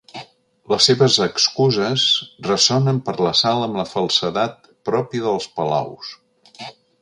Les seves excuses ressonen per la sala amb la falsedat pròpia dels palaus.